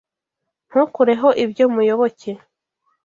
Ntukureho ibyo Muyoboke.